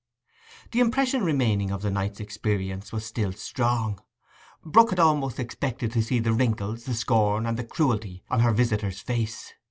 The impression remaining from the night's experience was still strong. Brook had almost expected to see the wrinkles, the scorn, and the cruelty on her visitor's face.